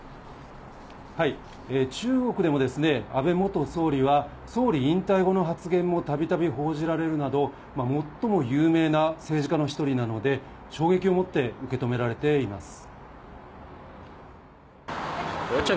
中国でも、安倍元総理は総理引退後の発言もたびたび報じられるなど、最も有名な政治家の一人なので、衝撃を持って受け止められています。